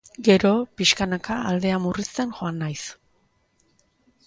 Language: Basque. Gero, pixkanaka, aldea murrizten joan naiz.